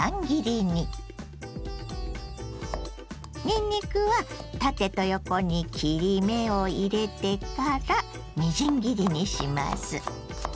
にんにくは縦と横に切り目を入れてからみじん切りにします。